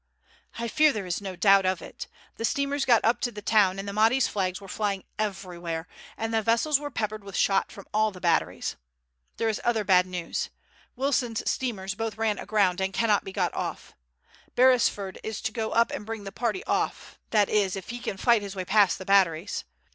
"I fear there is no doubt of it. The steamers got up to the town, and the Mahdi's flags were flying everywhere, and the vessels were peppered with shot from all the batteries. There is other bad news. Wilson's steamers both ran aground, and cannot be got off. Beresford is to go up and bring the party off, that is, if he can fight his way past the batteries.